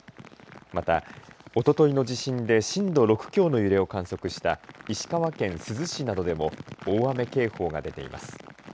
また、おとといの地震で震度６強の揺れを観測した石川県珠洲市などでも大雨警報が出ています。